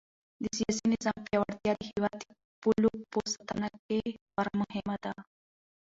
د سیاسي نظام پیاوړتیا د هېواد د پولو په ساتنه کې خورا مهمه ده.